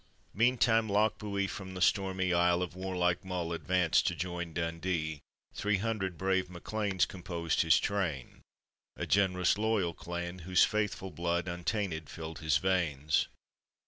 '] Meantime Lochbuie from the stormy isle Of warlike Mull advanced to join Dundee; Three hundred brave MacLeans composed his train, A generous, loyal clan, whose faithful blood Untainted filled his veins.